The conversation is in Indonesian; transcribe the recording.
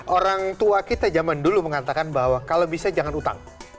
orang tua kita zaman dulu mengatakan bahwa kalau bisa jangan utang